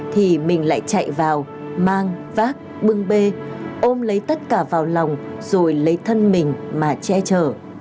thì mình lại chạy vào mang vác bưng bê ôm lấy tất cả vào lòng rồi lấy thân mình mà che chở